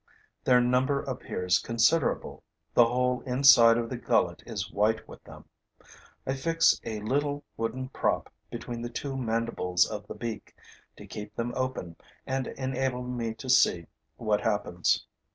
Their number appears considerable; the whole inside of the gullet is white with them. I fix a little wooden prop between the two mandibles of the beak, to keep them open and enable me to see what happens.